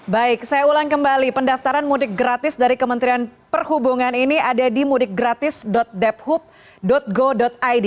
baik saya ulang kembali pendaftaran mudik gratis dari kementerian perhubungan ini ada di mudikgratis debhub go id